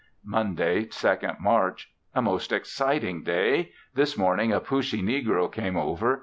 Monday, 2nd March. A most exciting day. This morning a Pooshee negro came over.